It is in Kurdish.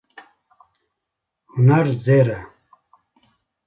Huner zêr e.